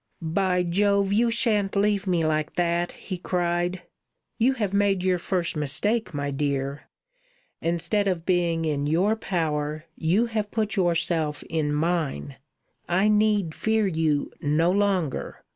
"By Jove! you shan't leave me like that!" he cried. "You have made your first mistake, my dear. Instead of being in your power, you have put yourself in mine. I need fear you no longer.